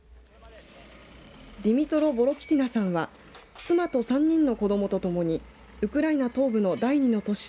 ディミトロ・ヴォロキティナさんは妻と３人の子どもとともにウクライナ東部の第２の都市